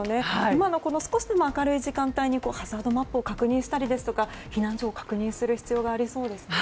今の少しでも明るい時間帯にハザードマップを確認したり避難所を確認する必要がありそうですね。